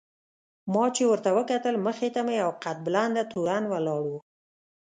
ما چې ورته وکتل مخې ته مې یو قد بلنده تورن ولاړ و.